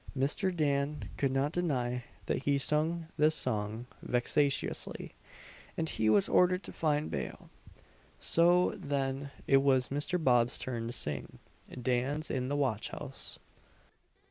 Mr. Dan could not deny that he sung this song vexatiously, and he was ordered to find bail So, then, it was Mr. Bob's turn to sing "Dan's in the watch house."